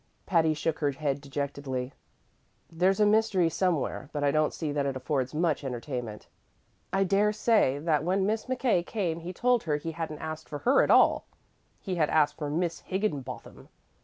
Patty shook her head dejectedly. "There's a mystery somewhere, but I don't see that it affords much entertainment. I dare say that when Miss McKay came he told her he hadn't asked for her at all; he had asked for Miss Higginbotham.